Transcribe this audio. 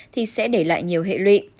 thì sẽ để lại nhiều hệ lụy